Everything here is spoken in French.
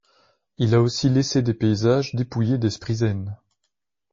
Il a aussi laissé des paysages dépouillés d'esprit zen.